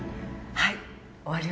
はい。